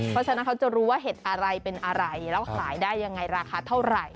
เพราะฉะนั้นเขาจะรู้ว่าเห็ดอะไรเป็นอะไรแล้วขายได้ยังไงราคาเท่าไหร่